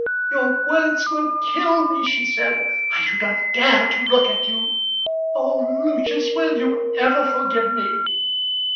"Your words will kill me," she said. "I do not dare to look at you. Oh! Lucius, will you ever forgive me?"